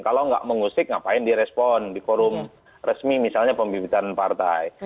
kalau nggak mengusik ngapain direspon di forum resmi misalnya pembibitan partai